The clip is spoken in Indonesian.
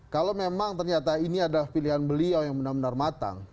kalau memang ternyata ini adalah pilihan beliau yang benar benar matang